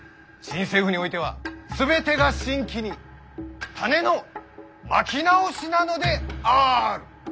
新政府においては全てが新規に種のまき直しなのである！